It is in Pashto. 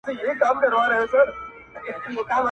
بېله تا مي ژوندون څه دی سور دوزخ دی، سوړ جنت دی.